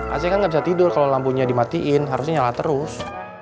ac kan nggak bisa tidur kalau lampunya dimatiin harusnya nyala terus